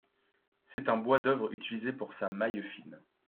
C'est un bois d'œuvre utilisé pour sa maille fine.